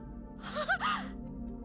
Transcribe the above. ああ！